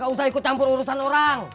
kamu mau ikut campur urusan orang